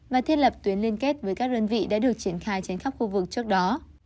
và thiết lập tuyến liên kết với các đơn vị đã được triển khai trên khắp khu vực trước đó